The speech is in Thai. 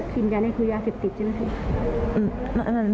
กินยาไหมคือยาเสพติดใช่มั้ยครับ